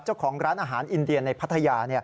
เจ้าของร้านอาหารอินเดียในพัทยา